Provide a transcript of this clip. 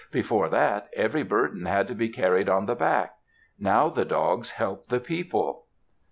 Before that, every burden had to be carried on the back. Now the dogs helped the people.